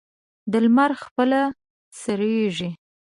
د لمر خپله سړېږي.